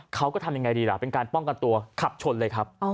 เขาก็ทำยังไงดีล่ะเป็นการป้องกันตัวขับชนเลยครับ